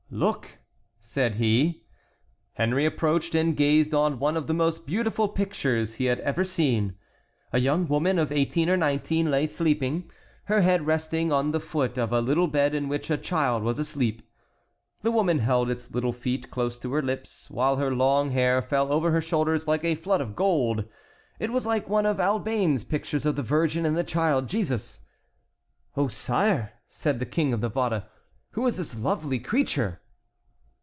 "Look!" said he. Henry approached and gazed on one of the most beautiful pictures he had ever seen. A young woman of eighteen or nineteen lay sleeping, her head resting on the foot of a little bed in which a child was asleep. The woman held its little feet close to her lips, while her long hair fell over her shoulders like a flood of gold. It was like one of Albane's pictures of the Virgin and the Child Jesus. "Oh, sire," said the King of Navarre, "who is this lovely creature?"